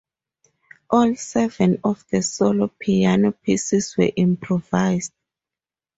All seven of the solo piano pieces were improvised.